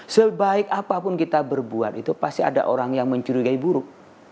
sebaik apapun kita berbuat itu pasti ada orang yang mencurigai buruk